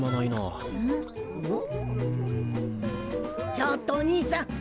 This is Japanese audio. ちょっとおにいさん！